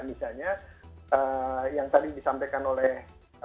misalnya yang tadi disampaikan oleh